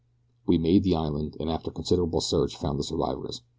"We made the island, and after considerable search found the survivors.